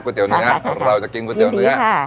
เตี๋ยเนื้อเราจะกินก๋วยเตี๋ยวเนื้อ